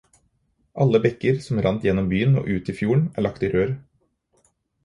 Alle bekker som rant gjennom byen og ut i fjorden, er lagt i rør.